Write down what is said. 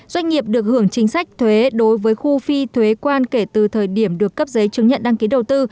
doanh nghiệp được hưởng chính sách thuế đối với khu phi thuế quan kể từ thời điểm được cấp giấy chứng nhận đăng ký đầu tư